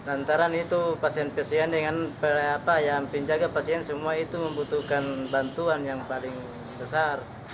antara itu pasien pasien dengan pelayanan apa yang pinjaga pasien semua itu membutuhkan bantuan yang paling besar